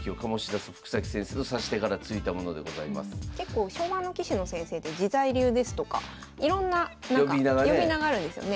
何ともいえない結構昭和の棋士の先生って自在流ですとかいろんな呼び名があるんですよね。